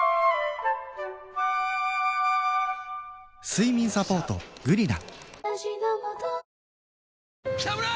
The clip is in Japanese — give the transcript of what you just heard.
睡眠サポート「グリナ」